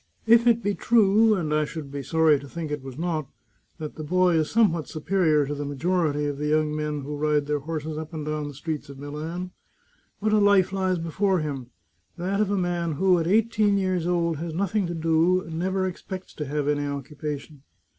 If it be true — and I should be sorry to think it was not — that the boy is somewhat superior to the majority of the young men who ride their horses up and down the streets of Milan, what a life lies before him ! that of a man who at eighteen years old has nothing to do, and never expects to have any occu pation.